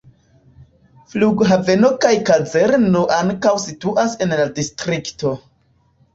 Flughaveno kaj kazerno ankaŭ situas en la distrikto.